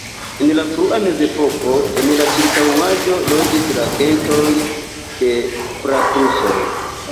En la frua Mezepoko en la ĉirkaŭaĵo loĝis la gentoj de praprusoj.